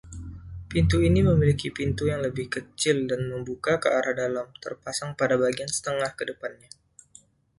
Pintu ini memiliki pintu yang lebih kecil dan membuka ke arah dalam terpasang pada bagian setengah ke depannya.